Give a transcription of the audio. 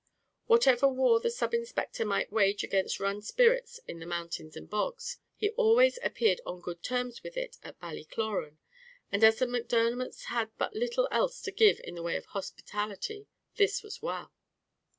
Whatever war the sub inspector might wage against run spirits in the mountains and bogs, he always appeared on good terms with it at Ballycloran, and as the Macdermots had but little else to give in the way of hospitality, this was well.